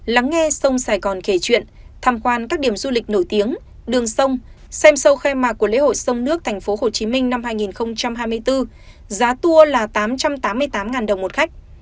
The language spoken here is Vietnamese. lắng nghe sông sài gòn kể chuyện tham quan các điểm du lịch nổi tiếng đường sông xem sâu khai mạc của lễ hội sông nước tp hcm năm hai nghìn hai mươi bốn giá tour là tám trăm tám mươi tám đồng một khách